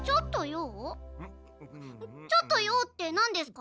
ちょっと用って何ですか？